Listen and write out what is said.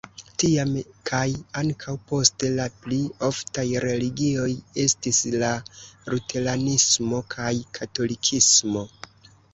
Tiam kaj ankaŭ poste la pli oftaj religioj estis la luteranismo kaj katolikismo.